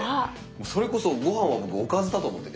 それこそご飯は僕おかずだと思ってて。